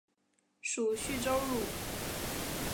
属叙州路。